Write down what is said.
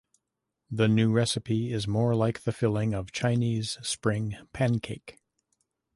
The new recipe is more like the filling of Chinese Spring pancake.